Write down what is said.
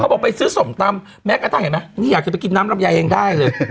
บอกไปซื้อส้มตำแม้กระทั่งเห็นไหมนี่อยากจะไปกินน้ำลำไยเองได้เลย